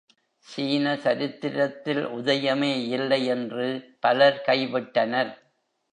சீன சரித்திரத்தில் உதயமே இல்லை என்று பலர் கைவிட்டனர்.